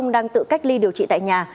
đang tự cách ly điều trị tại nhà